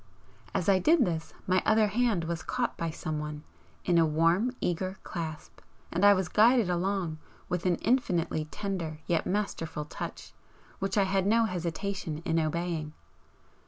As I did this my other hand was caught by someone in a warm, eager clasp, and I was guided along with an infinitely tender yet masterful touch which I had no hesitation in obeying.